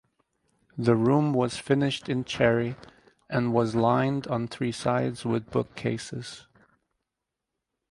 The room was finished in cherry and was lined on three sides with bookcases.